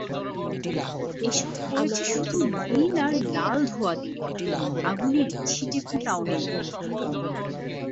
এসব করেছে শুধু নীল আর লাল ধোঁয়া দিয়ে, আগুনের ছিটেফোঁটাও নেই।